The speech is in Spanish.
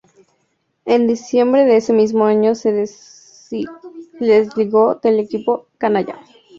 En diciembre de ese mismo año se desligó del equipo "canalla".